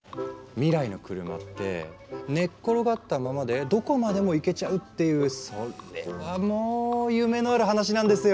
未来の車って寝っ転がったままでどこまでも行けちゃうっていうそれはもう夢のある話なんですよ。